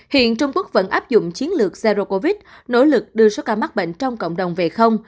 hiện trung quốc vẫn áp dụng chiến lược zero covid nỗ lực đưa số ca mắc bệnh trong cộng đồng về không